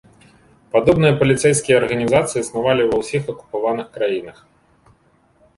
Падобныя паліцэйскія арганізацыі існавалі ва ўсіх акупаваных краінах.